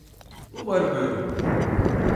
Umarım öyle olur.